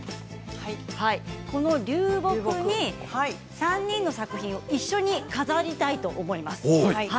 この流木に、３人の作品を一緒に飾りたいと思います。